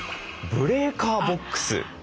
ブレーカーボックス。